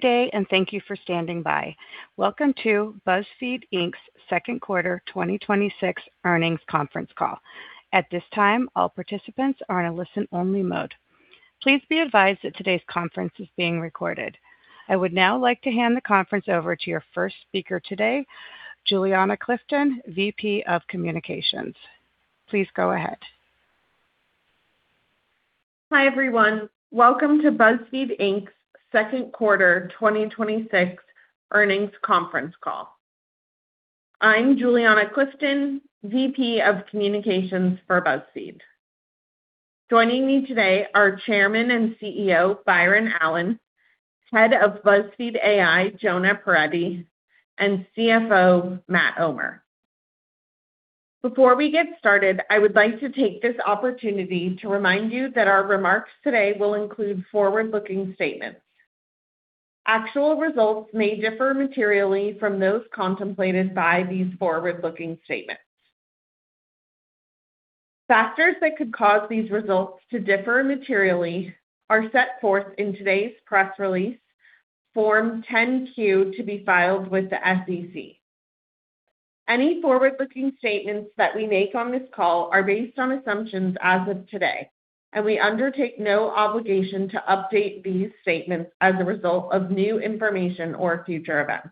Good day, and thank you for standing by. Welcome to BuzzFeed Inc.'s second quarter 2026 earnings conference call. At this time, all participants are in a listen-only mode. Please be advised that today's conference is being recorded. I would now like to hand the conference over to your first speaker today, Juliana Clifton, VP of Communications. Please go ahead. Hi, everyone. Welcome to BuzzFeed Inc.'s second quarter 2026 earnings conference call. I'm Juliana Clifton, VP of Communications for BuzzFeed. Joining me today are Chairman and CEO, Byron Allen, Head of BuzzFeed AI, Jonah Peretti, and CFO, Matt Omer. Before we get started, I would like to take this opportunity to remind you that our remarks today will include forward-looking statements. Actual results may differ materially from those contemplated by these forward-looking statements. Factors that could cause these results to differ materially are set forth in today's press release Form 10-Q to be filed with the SEC. Any forward-looking statements that we make on this call are based on assumptions as of today, we undertake no obligation to update these statements as a result of new information or future events.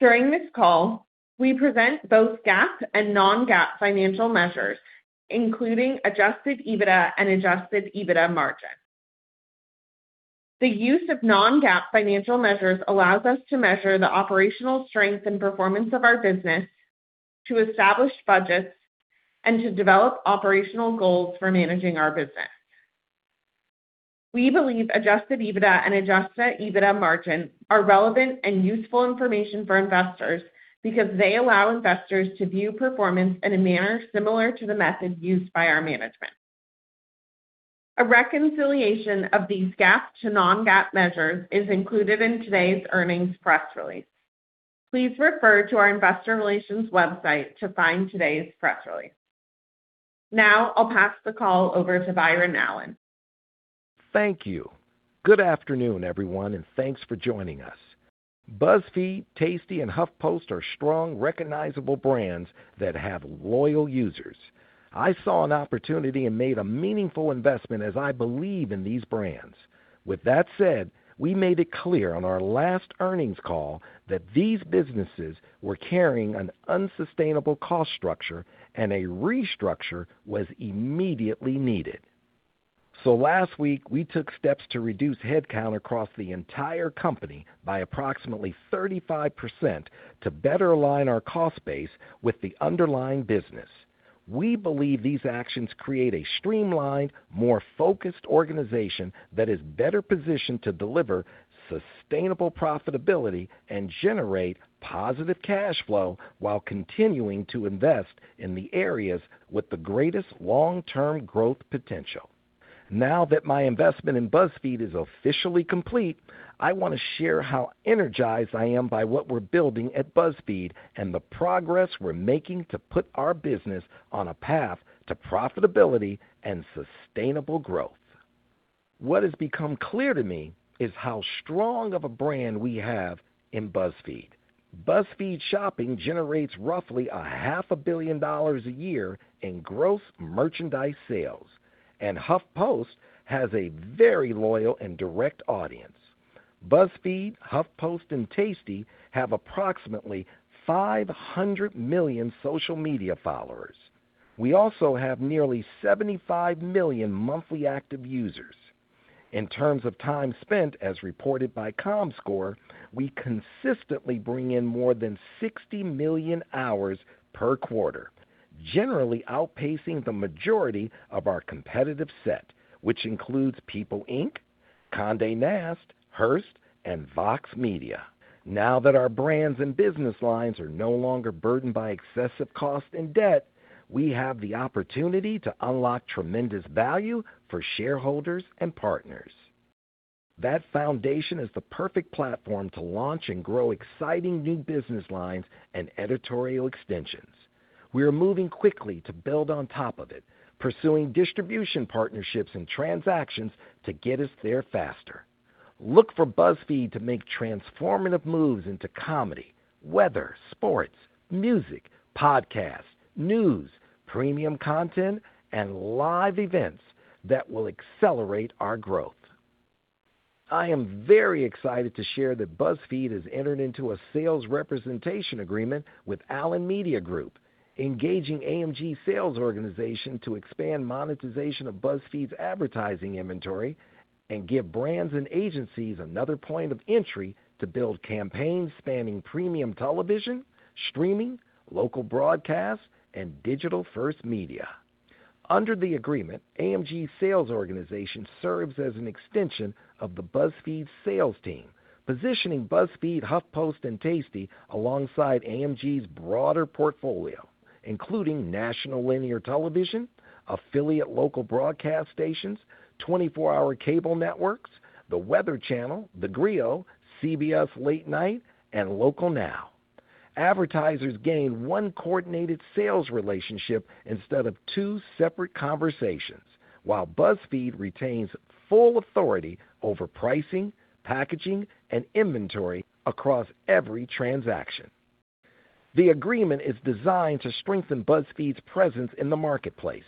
During this call, we present both GAAP and non-GAAP financial measures, including adjusted EBITDA and adjusted EBITDA margin. The use of non-GAAP financial measures allows us to measure the operational strength and performance of our business, to establish budgets, and to develop operational goals for managing our business. We believe adjusted EBITDA and adjusted EBITDA margin are relevant and useful information for investors because they allow investors to view performance in a manner similar to the method used by our management. A reconciliation of these GAAP to non-GAAP measures is included in today's earnings press release. Please refer to our investor relations website to find today's press release. Now, I'll pass the call over to Byron Allen. Thank you. Good afternoon, everyone, and thanks for joining us. BuzzFeed, Tasty, and HuffPost are strong, recognizable brands that have loyal users. I saw an opportunity and made a meaningful investment as I believe in these brands. With that said, we made it clear on our last earnings call that these businesses were carrying an unsustainable cost structure and a restructure was immediately needed. Last week, we took steps to reduce headcount across the entire company by approximately 35% to better align our cost base with the underlying business. We believe these actions create a streamlined, more focused organization that is better positioned to deliver sustainable profitability and generate positive cash flow while continuing to invest in the areas with the greatest long-term growth potential. Now that my investment in BuzzFeed is officially complete, I want to share how energized I am by what we're building at BuzzFeed and the progress we're making to put our business on a path to profitability and sustainable growth. What has become clear to me is how strong of a brand we have in BuzzFeed. BuzzFeed Shopping generates roughly a half a billion dollars a year in gross merchandise sales, and HuffPost has a very loyal and direct audience. BuzzFeed, HuffPost, and Tasty have approximately 500 million social media followers. We also have nearly 75 million monthly active users. In terms of time spent, as reported by Comscore, we consistently bring in more than 60 million hours per quarter, generally outpacing the majority of our competitive set, which includes People Inc., Condé Nast, Hearst, and Vox Media. Now that our brands and business lines are no longer burdened by excessive cost and debt, we have the opportunity to unlock tremendous value for shareholders and partners. That foundation is the perfect platform to launch and grow exciting new business lines and editorial extensions. We are moving quickly to build on top of it, pursuing distribution partnerships and transactions to get us there faster. Look for BuzzFeed to make transformative moves into comedy, weather, sports, music, podcasts, news, premium content, and live events that will accelerate our growth. I am very excited to share that BuzzFeed has entered into a sales representation agreement with Allen Media Group, engaging AMG's sales organization to expand monetization of BuzzFeed's advertising inventory and give brands and agencies another point of entry to build campaigns spanning premium television, streaming, local broadcast, and digital-first media. Under the agreement, AMG's sales organization serves as an extension of the BuzzFeed sales team, positioning BuzzFeed, HuffPost, and Tasty alongside AMG's broader portfolio, including national linear television, affiliate local broadcast stations, 24-hour cable networks, The Weather Channel, theGrio, CBS Late Night, and Local Now. Advertisers gain one coordinated sales relationship instead of two separate conversations, while BuzzFeed retains full authority over pricing, packaging, and inventory across every transaction. The agreement is designed to strengthen BuzzFeed's presence in the marketplace,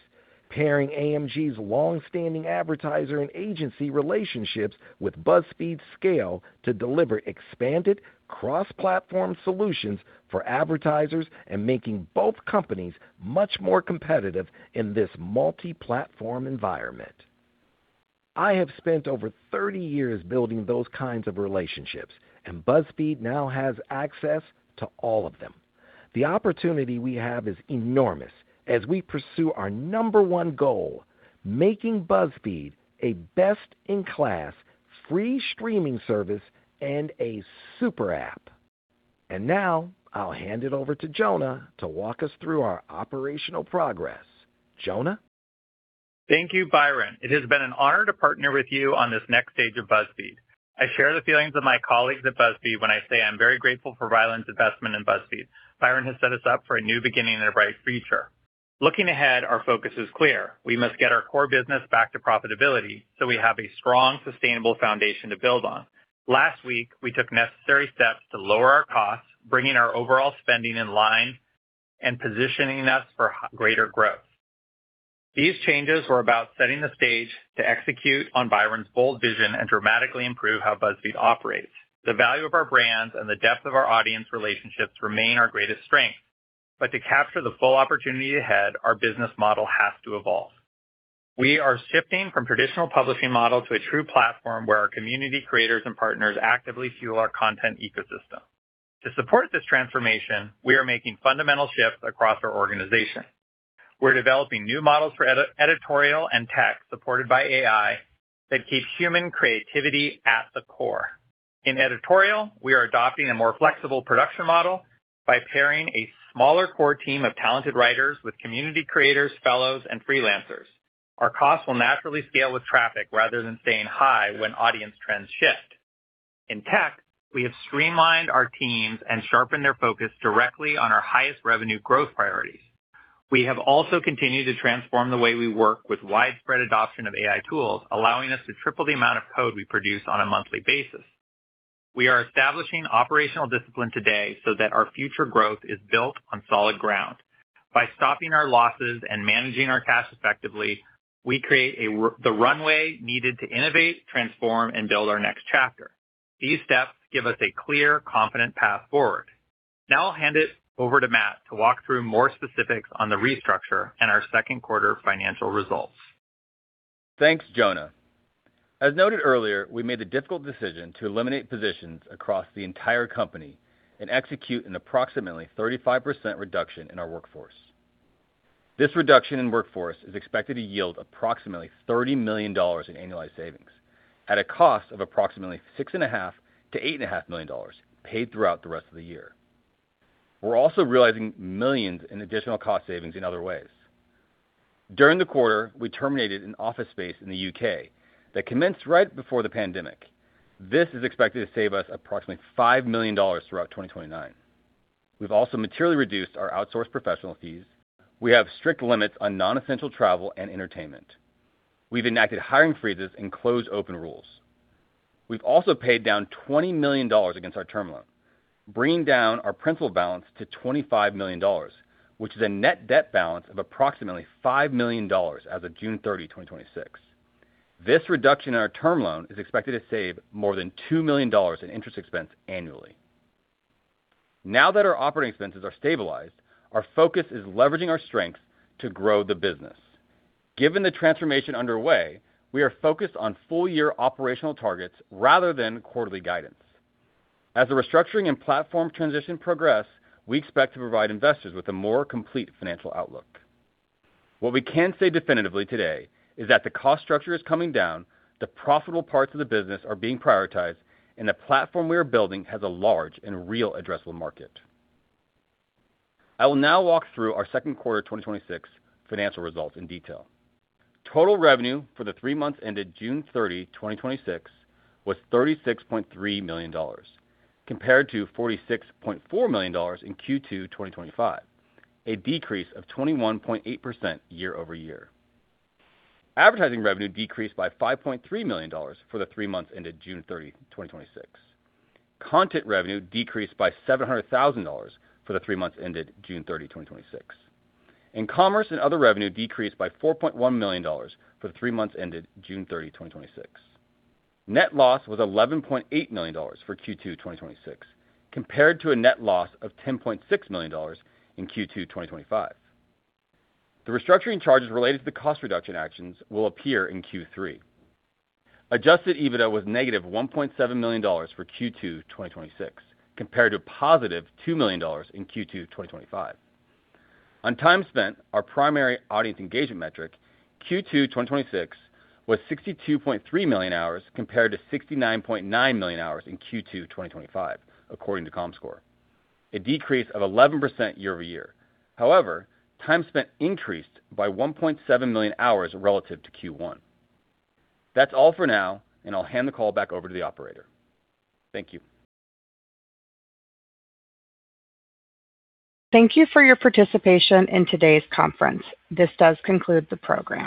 pairing AMG's longstanding advertiser and agency relationships with BuzzFeed's scale to deliver expanded cross-platform solutions for advertisers and making both companies much more competitive in this multi-platform environment. BuzzFeed now has access to all of them. The opportunity we have is enormous as we pursue our number one goal, making BuzzFeed a best-in-class free streaming service and a super app. Now I'll hand it over to Jonah to walk us through our operational progress. Jonah? Thank you, Byron. It has been an honor to partner with you on this next stage of BuzzFeed. I share the feelings of my colleagues at BuzzFeed when I say I'm very grateful for Byron's investment in BuzzFeed. Byron has set us up for a new beginning and a bright future. Looking ahead, our focus is clear. We must get our core business back to profitability so we have a strong, sustainable foundation to build on. Last week, we took necessary steps to lower our costs, bringing our overall spending in line and positioning us for greater growth. These changes were about setting the stage to execute on Byron's bold vision and dramatically improve how BuzzFeed operates. The value of our brands and the depth of our audience relationships remain our greatest strength. To capture the full opportunity ahead, our business model has to evolve. We are shifting from traditional publishing model to a true platform where our community, creators, and partners actively fuel our content ecosystem. To support this transformation, we are making fundamental shifts across our organization. We're developing new models for editorial and tech supported by AI that keeps human creativity at the core. In editorial, we are adopting a more flexible production model by pairing a smaller core team of talented writers with community creators, fellows, and freelancers. Our costs will naturally scale with traffic rather than staying high when audience trends shift. In tech, we have streamlined our teams and sharpened their focus directly on our highest revenue growth priorities. We have also continued to transform the way we work with widespread adoption of AI tools, allowing us to triple the amount of code we produce on a monthly basis. We are establishing operational discipline today so that our future growth is built on solid ground. By stopping our losses and managing our cash effectively, we create the runway needed to innovate, transform, and build our next chapter. These steps give us a clear, confident path forward. Now I'll hand it over to Matt to walk through more specifics on the restructure and our second quarter financial results. Thanks, Jonah. As noted earlier, we made the difficult decision to eliminate positions across the entire company and execute an approximately 35% reduction in our workforce. This reduction in workforce is expected to yield approximately $30 million in annualized savings at a cost of approximately $6.5 million-$8.5 million paid throughout the rest of the year. We're also realizing millions in additional cost savings in other ways. During the quarter, we terminated an office space in the U.K. that commenced right before the pandemic. This is expected to save us approximately $5 million throughout 2029. We've also materially reduced our outsourced professional fees. We have strict limits on non-essential travel and entertainment. We've enacted hiring freezes and closed open roles. We've also paid down $20 million against our term loan, bringing down our principal balance to $25 million, which is a net debt balance of approximately $5 million as of June 30th, 2026. This reduction in our term loan is expected to save more than $2 million in interest expense annually. Now that our operating expenses are stabilized, our focus is leveraging our strengths to grow the business. Given the transformation underway, we are focused on full-year operational targets rather than quarterly guidance. As the restructuring and platform transition progress, we expect to provide investors with a more complete financial outlook. What we can say definitively today is that the cost structure is coming down, the profitable parts of the business are being prioritized, and the platform we are building has a large and real addressable market. I will now walk through our second quarter 2026 financial results in detail. Total revenue for the three months ended June 30, 2026, was $36.3 million, compared to $46.4 million in Q2 2025, a decrease of 21.8% year-over-year. Advertising revenue decreased by $5.3 million for the three months ended June 30, 2026. Content revenue decreased by $700,000 for the three months ended June 30, 2026. Commerce and other revenue decreased by $4.1 million for the three months ended June 30, 2026. Net loss was $11.8 million for Q2 2026, compared to a net loss of $10.6 million in Q2 2025. The restructuring charges related to the cost reduction actions will appear in Q3. Adjusted EBITDA was negative $1.7 million for Q2 2026, compared to positive $2 million in Q2 2025. On time spent, our primary audience engagement metric, Q2 2026 was 62.3 million hours compared to 69.9 million hours in Q2 2025, according to Comscore, a decrease of 11% year-over-year. However, time spent increased by 1.7 million hours relative to Q1. That's all for now, and I'll hand the call back over to the operator. Thank you. Thank you for your participation in today's conference. This does conclude the program.